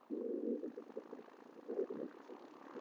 কিন্তু হঠাৎ করেই পথটি বন্ধ করে দেওয়ায় বিদ্যালয়ে ঢোকা যাচ্ছে না।